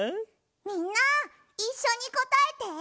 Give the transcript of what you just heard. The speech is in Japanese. みんないっしょにこたえて！